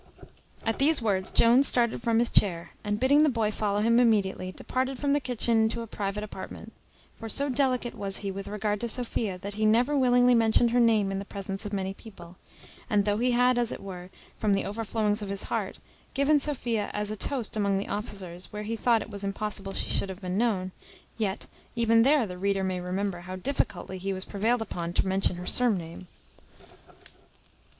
At these words Jones started from his chair, and, bidding the boy follow him immediately, departed from the kitchen into a private apartment; for, so delicate was he with regard to Sophia, that he never willingly mentioned her name in the presence of many people; and, though he had, as it were, from the overflowings of his heart, given Sophia as a toast among the officers, where he thought it was impossible she should be known; yet, even there, the reader may remember how difficultly he was prevailed upon to mention her surname.